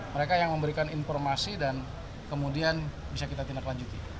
mereka yang memberikan informasi dan kemudian bisa kita tindak lanjuti